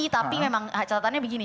tapi memang catatannya begini